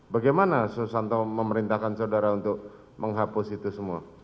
bagaimana susanto memerintahkan saudara untuk menghapus itu semua